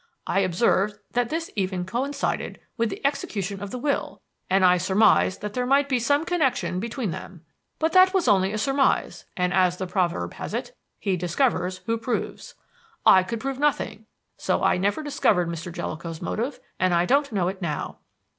I observed that this even coincided with the execution of the will, and I surmised that there might be some connection between them. But that was only a surmise; and, as the proverb has it, 'He discovers who proves.' I could prove nothing, so that I never discovered Mr. Jellicoe's motive, and I don't know it now."